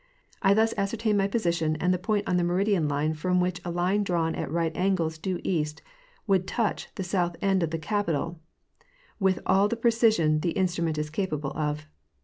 I thus ascertained my position and the point on the meridian line from which a line drawn at right angles due east would touch the south end of the Capitol with all the precision the instrument is capable of.